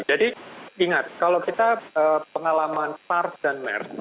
jadi ingat kalau kita pengalaman sars dan mers